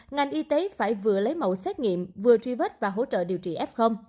ngành y tế phải vừa lấy mẫu xét nghiệm vừa truy vết và hỗ trợ điều trị f